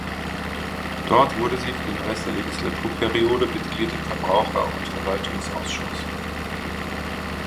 Dort wurde sie für den Rest der Legislaturperiode Mitglied im Verbraucher und Verwaltungsausschuss.